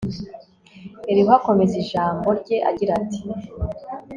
elihu akomeza ijambo rye, agira ati